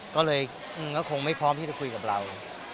ก็เลยก็คงไม่พร้อมที่จะคุยกับเรา